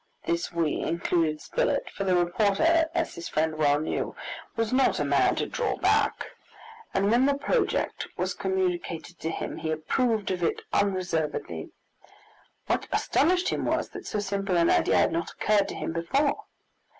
This "we" included Spilett, for the reporter, as his friend well knew, was not a man to draw back, and when the project was communicated to him he approved of it unreservedly. What astonished him was, that so simple an idea had not occurred to him before.